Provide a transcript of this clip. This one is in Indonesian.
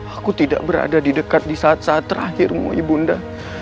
aku tidak berada di dekat di saat saat terakhirmu ibunda